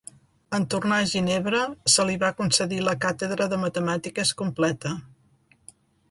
En tornar a Ginebra se li va concedir la càtedra de Matemàtiques completa.